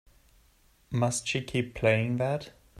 Must she keep playing that?